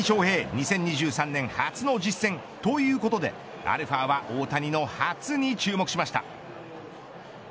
２０２３年初の実戦。ということでαは大谷の初に注目しました。